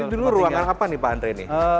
dulu ruangan apa nih pak andre ini